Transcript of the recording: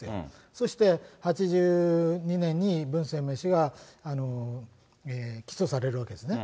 そして８２年に文鮮明氏が起訴されるわけですね。